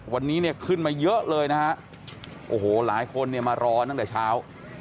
วันนี้เนี่ยขึ้นมาเยอะเลยนะฮะโอ้โหหลายคนเนี่ยมารอตั้งแต่เช้า